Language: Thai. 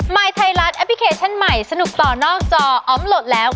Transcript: ยไทยรัฐแอปพลิเคชันใหม่สนุกต่อนอกจออมโหลดแล้ว